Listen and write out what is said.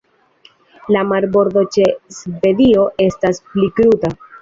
La marbordo ĉe Svedio estas pli kruta.